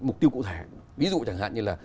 mục tiêu cụ thể ví dụ chẳng hạn như là